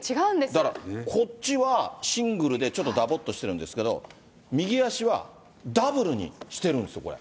だから、こっちはシングルで、ちょっとだぼっとしてるんですけど、右足はダブルにしてるんですよ、これ。